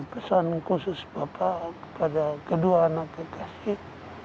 pesan khusus bapak kepada kedua anak dikasih